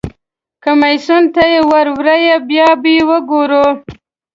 کمیسیون ته یې ور وړه بیا به وګورو.